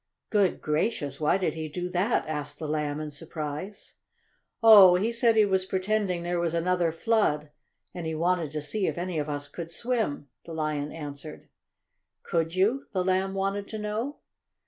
"Good gracious! why did he do that?" asked the Lamb, in surprise. "Oh, he said he was pretending there was another flood, and he wanted to see if any of us could swim," the Lion answered. "Could you?" the Lamb wanted to know.